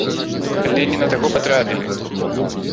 Але не на таго патрапілі!